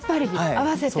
合わせて。